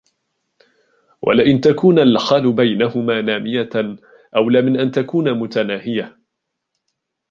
وَلَئِنْ تَكُونَ الْحَالُ بَيْنَهُمَا نَامِيَةً أَوْلَى مِنْ أَنْ تَكُونَ مُتَنَاهِيَةً